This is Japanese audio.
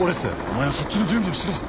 お前はそっちの準備をしろ。